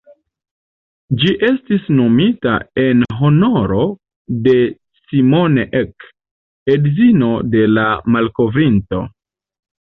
Ĝi estis nomita en honoro de "Simone Ek", edzino de la malkovrinto.